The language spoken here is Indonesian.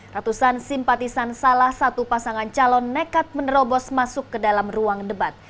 ratusan simpatisan salah satu pasangan calon nekat menerobos masuk ke dalam ruang debat